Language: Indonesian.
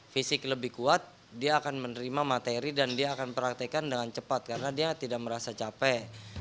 fisik lebih kuat dia akan menerima materi dan dia akan praktekkan dengan cepat karena dia tidak merasa capek